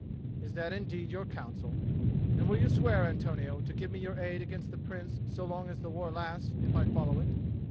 "Is that indeed your counsel? And will you swear, Antonio, to give me your aid against the Prince so long as the war lasts, if I follow it?"